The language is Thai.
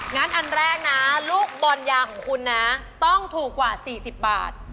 อันแรกนะลูกบอลยาของคุณนะต้องถูกกว่า๔๐บาท